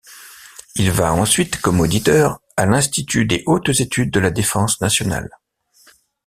Il va ensuite, comme auditeur, à l'Institut des hautes Études de la Défense Nationale.